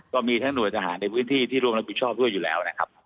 ก็มีทั้งหน่วยทหารในพื้นที่ที่ร่วมรับผิดชอบด้วยอยู่แล้วนะครับ